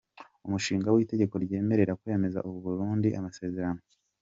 Umushinga w‟Itegeko ryemerera kwemeza burundu amasezerano